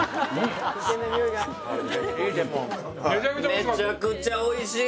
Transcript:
めちゃくちゃおいしい。